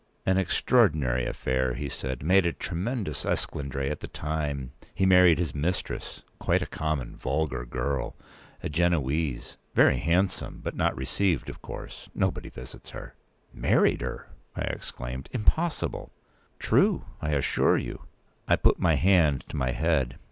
"An extraordinary affair," he said. "Made a tremendous esclandre at the time. He married his mistress—quite a common, vulgar girl—a Genoese—very handsome; but not received, of course. Nobody visits her." p. 213"Married her!" I exclaimed. "Impossible." "True, I assure you." I put my hand to my head.